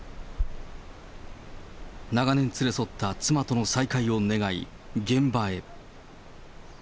長年連れ添った妻との再会を願い、現場へ。